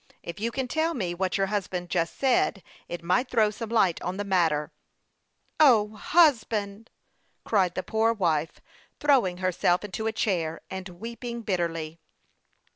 " If you can tell me what your husband just said, it might throw some light on the matter." " O, husband !" cried the poor wife, throwing her self into a chair and weeping bitterly.